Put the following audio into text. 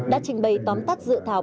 đã trình bày tóm tắt dự thảo